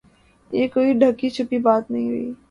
یہ کوئی ڈھکی چھپی بات نہیں رہی۔